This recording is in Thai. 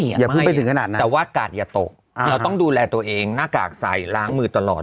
อย่าเพิ่งไปถึงขนาดนั้นแต่ว่ากาดอย่าตกเราต้องดูแลตัวเองหน้ากากใส่ล้างมือตลอด